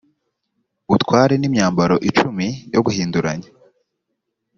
utware n’imyambaro icumi yo guhinduranya